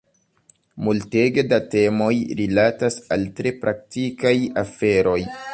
Multege da temoj rilatas al tre praktikaj aferoj.